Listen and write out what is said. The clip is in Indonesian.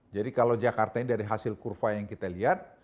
jadi kalau jakarta ini dari hasil kurva yang kita lihat